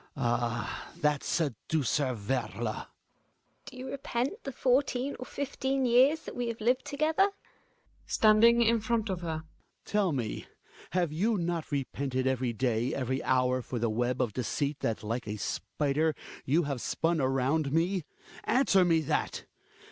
Ah! that seducer, Werle ! GiNA. Do you repent the fourteen or fifteen years that we have lived together? Hjalmar {landing in front of her). Tell me, have you not repented every day, every hour, for the web of deceit that, like a spider, you have spun around me? Answer me that